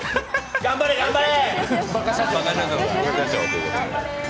頑張れ、頑張れ！